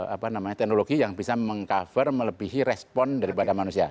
apa namanya teknologi yang bisa meng cover melebihi respon daripada manusia